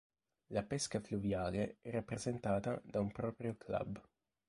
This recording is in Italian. La pesca fluviale è rappresentata da un proprio club.